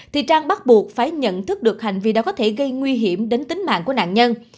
thì trang bắt buộc phải nhận thức được hành vi đó có thể gây nguy hiểm đến tính mạng của nạn nhân